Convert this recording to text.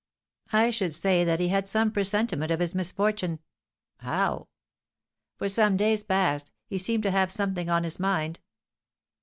"I should say that he had some presentiment of his misfortune." "How?" "For some days past he seemed to have something on his mind."